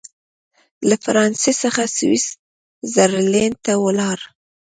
له فرانسې څخه سویس زرلینډ ته ولاړ.